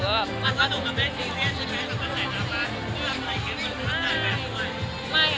ไม่ใช่สิ